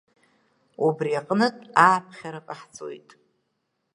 Убри аҟнытә Ааԥхьара ҟахҵоит…